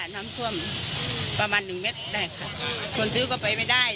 น้ำท่วมประมาณหนึ่งเมตรได้ค่ะคนซื้อก็ไปไม่ได้